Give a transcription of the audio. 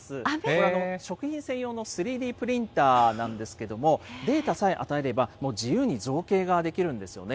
これ、食品専用の３Ｄプリンターなんですけれども、データさえ与えれば自由に造形ができるんですよね。